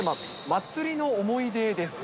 祭りの思い出？